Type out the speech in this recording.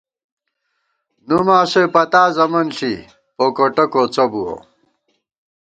نُوماسوئے پتا زَمَن ݪِی پوکوٹہ کوڅہ بُوَہ